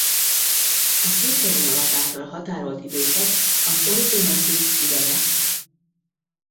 A szürke vonalak által határolt időszak az Original Six ideje.